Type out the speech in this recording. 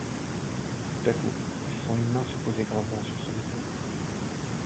Tout à coup, il sent une main se poser gravement sur son épaule.